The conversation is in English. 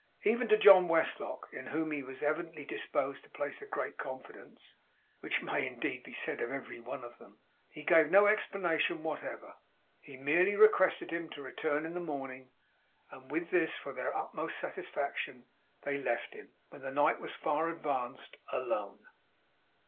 Even to John Westlock, in whom he was evidently disposed to place great confidence (which may indeed be said of every one of them), he gave no explanation whatever. He merely requested him to return in the morning; and with this for their utmost satisfaction, they left him, when the night was far advanced, alone.